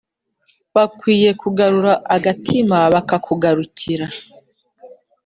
Bakwiye kugarura agatima bakakugarukira